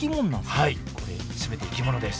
はいこれ全て生き物です。